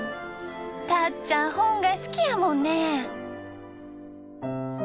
たっちゃん本が好きやもんね。